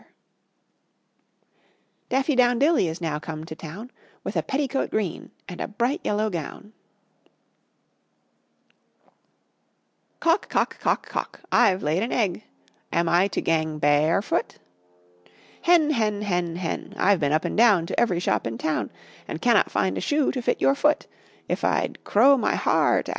Daffy down dilly is now come to town With a petticoat green and a bright yellow gown. "Cock, cock, cock, cock, I've laid an egg, Am I to gang ba are foot?" "Hen, hen, hen, hen, I've been up and down To every shop in town, And cannot find a shoe To fit your foot, If I'd crow my hea art out."